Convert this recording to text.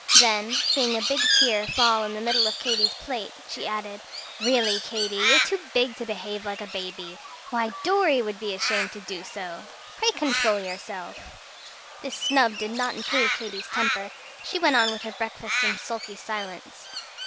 Then, seeing a big tear fall in the middle of Katy's plate, she added: "Really, Katy, you're too big to behave like a baby. Why Dorry would be ashamed to do so. Pray control yourself!" This snub did not improve Katy's temper. She went on with her breakfast in sulky silence.